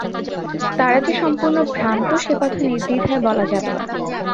তারা যে সম্পূর্ণ ভ্রান্ত, সে কথা নির্দ্ধিধায় বলা যাবে না।